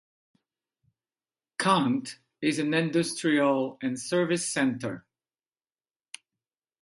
Kant is an industrial and service center.